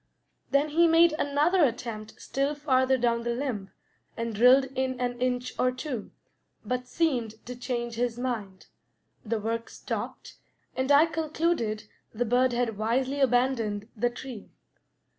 Then he made another attempt still farther down the limb, and drilled in an inch or two, but seemed to change his mind; the work stopped, and I concluded the bird had wisely abandoned the tree.